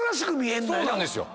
そうなんですよ！